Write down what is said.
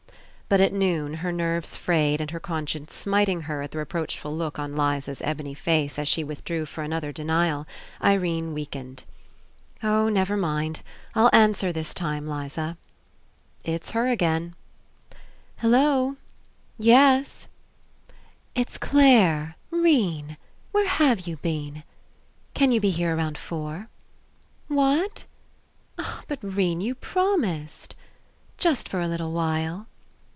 But at noon, her nerves frayed and her conscience smiting her at the reproachful look on Liza's ebony face as she withdrew for an other denial, Irene weakened. "Oh, never mind. I'll answer this time, Liza." 51 ENCOUNTER 'It's her again." ^'Hello. ... Yes.'' "It's Clare, 'Rene. ... Where have you been? ... Can you be here around four? ... What? ... But, 'Rene, you promised! Just for a little while.